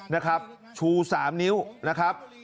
นะครับชู๓นิ้วนะครับ